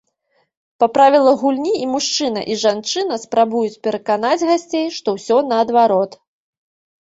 Па правілах гульні і мужчына, і жанчына спрабуюць пераканаць гасцей, што ўсё наадварот.